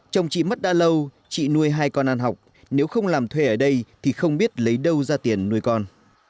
chồng chị mất đã lâu chị nuôi hai con ăn học nếu không làm thuê ở đây thì không biết lấy đâu ra tiền nuôi con